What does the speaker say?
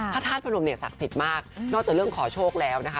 พระธาตุพนมเนี่ยศักดิ์สิทธิ์มากนอกจากเรื่องขอโชคแล้วนะคะ